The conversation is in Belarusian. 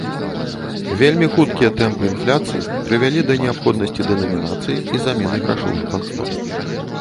Вельмі хуткія тэмпы інфляцыі прывялі да неабходнасці дэнамінацыі і замены грашовых банкнот.